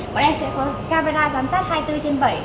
bọn em sẽ có camera giám sát hai mươi bốn trên bảy